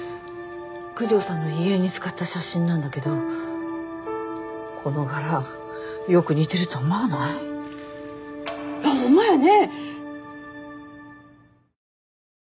九条さんの遺影に使った写真なんだけどこの柄よく似てると思わない？ホンマやね！